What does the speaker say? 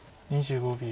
２５秒。